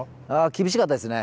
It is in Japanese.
厳しかったですね。